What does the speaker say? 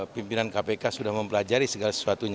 pimpinan kpk sudah mempelajari segala sesuatunya